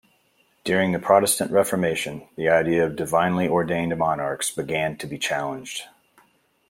During the Protestant Reformation, the idea of divinely ordained monarchs began to be challenged.